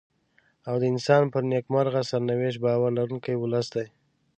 او د انسان پر نېکمرغه سرنوشت باور لرونکی ولس دی.